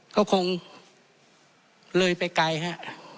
ก็คงเลยไปไกลครับ